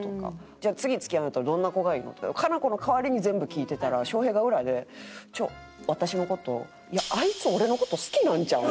「じゃあ次付き合うんやったらどんな子がいいの？」ってカナコの代わりに全部聞いてたらショウヘイが裏で私の事を「あいつ俺の事好きなんちゃう？」